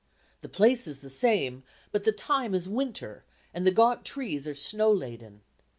The place is the same, but the time is winter, and the gaunt trees are snow laden.